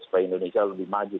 supaya indonesia lebih maju